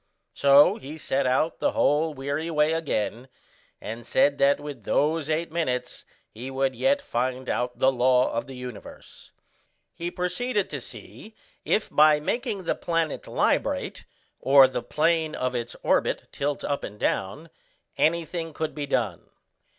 So he set out the whole weary way again, and said that with those eight minutes he would yet find out the law of the universe. He proceeded to see if by making the planet librate, or the plane of its orbit tilt up and down, anything could be done.